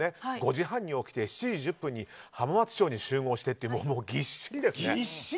５時半に起きて７時１０分に浜松町に集合してってぎっしりですね。